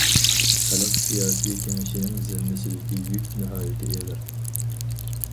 خەلق سىياسىي كېڭىشىنىڭ زىممىسىدىكى يۈك ناھايىتى ئېغىر.